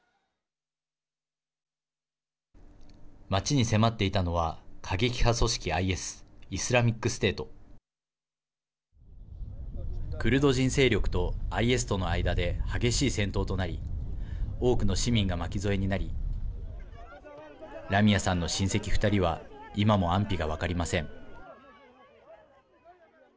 町に迫っていたのは過激派組織ＩＳ＝イスラミックステートクルド人勢力とＩＳとの間で激しい戦闘となり多くの市民が巻き添えになりラミアさんの親戚２人は今も安否が分かりません。